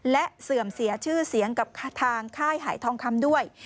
และเสื่อมเสียชื่อเสียงกับทางค่ายหายทองคำด้วย